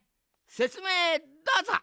せつめいどうぞ。